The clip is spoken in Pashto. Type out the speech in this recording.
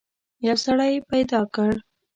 یو سړی پیدا کړ.